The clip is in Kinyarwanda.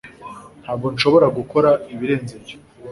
ntabwo nshobora gukora ibirenze ibyo